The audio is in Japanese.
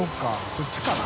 そっちかな？